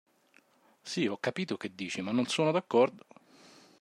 Sì, ho capito che dici, ma non sono d'accordo.